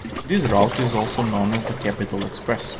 This route is also known as the Capital Express.